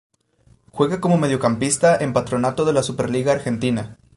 Juega como mediocampista en Patronato de la Superliga Argentina.